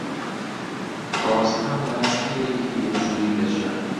ڕۆستەم لە شوقەیەکی یەک ژووری دەژیا.